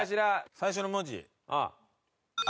最初の文字「あ」。